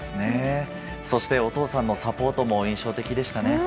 そしてお父さんのサポートも印象的でしたね。